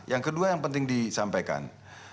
yang kedua yang penting disampaikan